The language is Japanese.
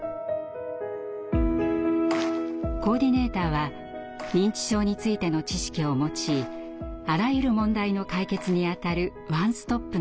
コーディネーターは認知症についての知識を持ちあらゆる問題の解決に当たるワンストップの相談窓口。